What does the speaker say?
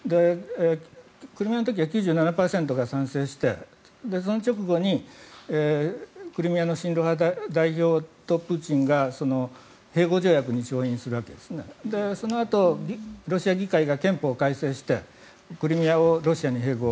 クリミアの時は９３％以上が賛成してその直後にクリミアの親ロ派代表とプーチンが併合条約に調印するそのあとロシア議会が憲法改正してクリミアをロシアに併合